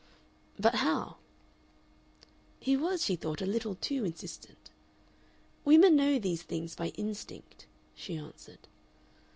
"But how?" He was, she thought, a little too insistent. "Women know these things by instinct," she answered.